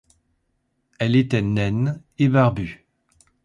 Elle était naine et barbue.